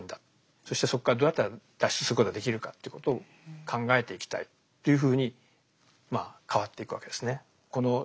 そしてそこからどうやったら脱出することができるかということを考えていきたいというふうにまあ変わっていくわけですね。